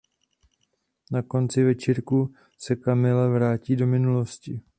Na konci večírku se Camille vrací do minulosti.